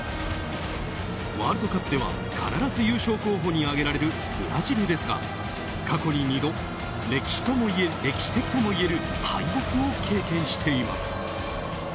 ワールドカップでは必ず優勝候補に挙げられるブラジルですが過去に２度、歴史的ともいえる敗北を経験しています。